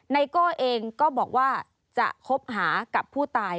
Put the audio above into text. ไโก้เองก็บอกว่าจะคบหากับผู้ตาย